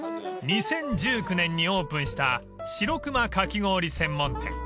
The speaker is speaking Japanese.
［２０１９年にオープンしたシロクマかき氷専門店］